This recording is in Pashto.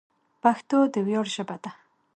پښتو د ویاړ ژبه ده.